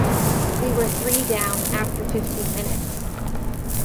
We were three down after fifteen minutes.